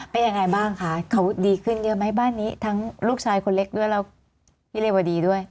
เป็นยังไงบ้างคะเขาดีขึ้นเยอะไหมบ้านนี้ทั้งลูกชายคนเล็กด้วยแล้วพี่เรวดีด้วย